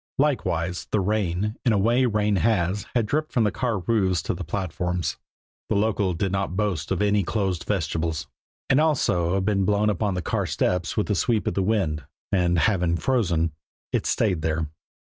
Likewise, the rain, in a way rain has, had dripped from the car roofs to the platforms the local did not boast any closed vestibules and had also been blown upon the car steps with the sweep of the wind, and, having frozen, it stayed there.